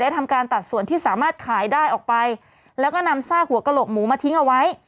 ทำการตัดส่วนที่สามารถขายได้ออกไปแล้วก็นำซากหัวกระโหลกหมูมาทิ้งเอาไว้